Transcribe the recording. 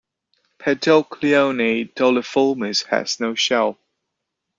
"Paedoclione doliiformis" has no shell.